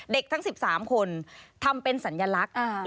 เด็กทั้ง๑๓คนทำเป็นสัญญาณลักษณ์